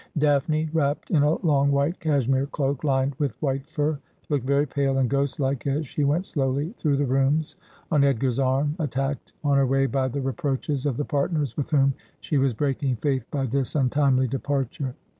Daphne, wrapped in a long white cashmere cloak lined with white fur, looked very pale and ghostlike as she went slowly through the rooms on Edgar's arm, attacked on her way by the reproaches of the partners with whom she was breaking faith by this untimely departure.